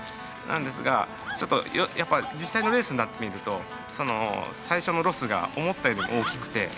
なんですがちょっとやっぱ実際のレースになってみると最初のロスが思ったよりも大きくてちょっとやきもきしてました。